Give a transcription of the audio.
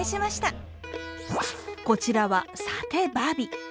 こちらはサテ・バビ。